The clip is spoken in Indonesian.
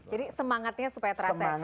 jadi semangatnya supaya terasa